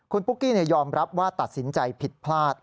คุณปุ๊กกี้ยอมรับว่าตัดสินใจผิดพลาด